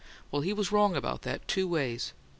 Well, he was wrong about that two ways.